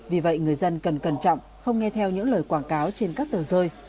vì vậy người dân cần cẩn trọng không nghe theo những lời quảng cáo trên các tờ rơi